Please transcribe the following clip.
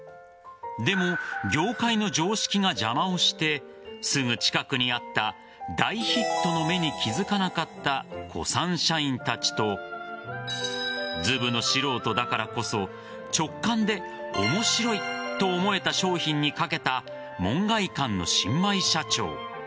でも、業界の常識が邪魔をしてすぐ近くにあった大ヒットの芽に気付かなかった古参社員たちとずぶの素人だからこそ直感で面白いと思えた商品にかけた門外漢の新米社長。